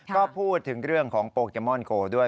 ก็พูดถึงเรื่องของโปเกมอนโกด้วย